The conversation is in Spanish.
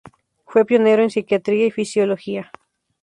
Fue pionero en psiquiatría, y fisiología.